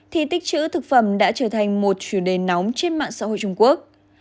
thì tích chữ thực phẩm đã trở thành một chủ đề nóng trên mạng xã hội trung quốc